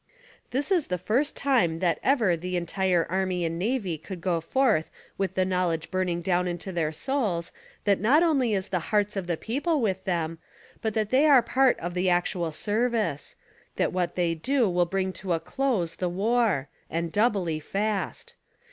This is the first time that ever the entire army and navy could go forth with the knowledge burning down into their souls t^hat not only is the hearts of the people with them, but that they are part of the actual service ; that what they do will bring to a close, the war ; and doubly fast.